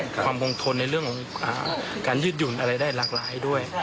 ความคงทนในเรื่องของการยืดหยุ่นอะไรได้หลากหลายด้วย